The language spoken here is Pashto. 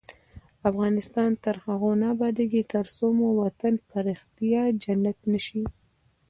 افغانستان تر هغو نه ابادیږي، ترڅو مو وطن په ریښتیا جنت نشي.